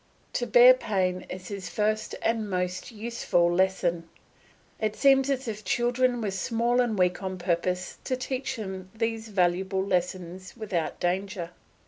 To bear pain is his first and most useful lesson. It seems as if children were small and weak on purpose to teach them these valuable lessons without danger.